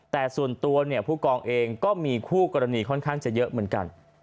แต่ส่วนตัวเนี่ยผู้กองเองก็มีคู่กรณีค่อนข้างจะเยอะเหมือนกัน